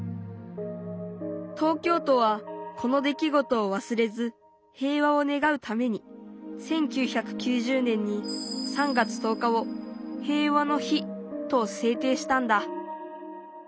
東京都はこの出来事をわすれず平和をねがうために１９９０年に３月１０日を「平和の日」と制定したんだ。